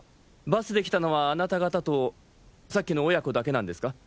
バスで来たのはあなた方とさっきの親子だけなんですか？